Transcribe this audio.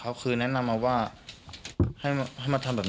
จากนั้นก็จะนำมาพักไว้ที่ห้องพลาสติกไปวางเอาไว้ตามจุดนัดต่าง